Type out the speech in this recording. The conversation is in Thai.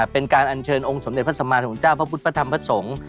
เป็นการอัญเชิญองค์สมเด็จพระสมาของเจ้าพระพุทธพระธรรมพระสงฆ์